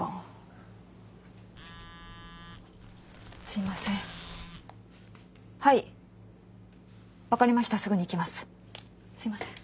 すいません。